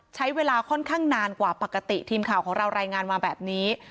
ใช้เวลาค่อนข้างนานกว่าปกติทีมข่าวของเรารายงานมาแบบนี้